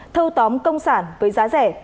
thâu tóm công sản với giá rẻ